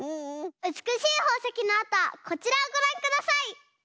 うつくしいほうせきのあとはこちらをごらんください。